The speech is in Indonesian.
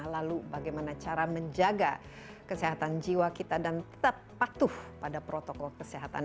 lalu bagaimana cara menjaga kesehatan jiwa kita dan tetap patuh pada protokol kesehatan